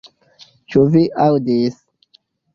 Ĉu vi aŭdis